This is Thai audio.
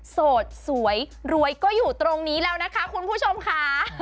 โสดสวยรวยก็อยู่ตรงนี้แล้วนะคะคุณผู้ชมค่ะ